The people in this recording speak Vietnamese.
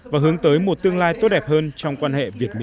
và hướng tới một tương lai tốt đẹp hơn trong quan hệ việt mỹ